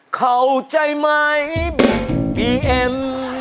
เข้าใจไหมบีเอ็ม